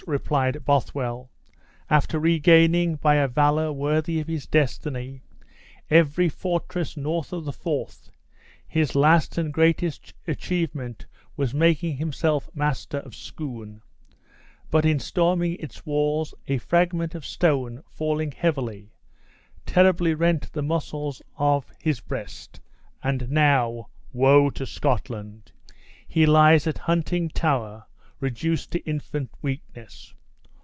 replied Bothwell. "After regaining, by a valor worthy of his destiny, every fortress north of the Forth, his last and greatest achievement was making himself master of Scone; but in storming its walls a fragment of stone falling heavily, terribly rent the muscles of his breast, and now woe to Scotland! he lies at Huntingtower reduced to infant weakness.